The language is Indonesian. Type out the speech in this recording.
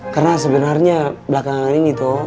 karena sebenarnya belakangan ini toh